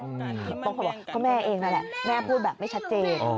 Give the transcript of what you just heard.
บางคนบอกก็แม่เองนั่นแหละแม่พูดแบบไม่ชัดเจน